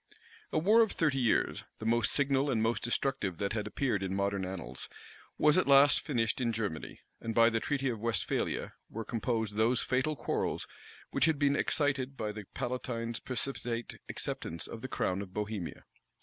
A war of thirty years, the most signal and most destructive that had appeared in modern annals, was at last finished in Germany,[*] and by the treaty of Westphalia, were composed those fatal quarrels which had been excited by the palatine's precipitate acceptance of the crown of Bohemia.